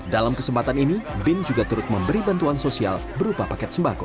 dalam kesempatan ini bin juga turut memberi bantuan sosial berupa paket sembako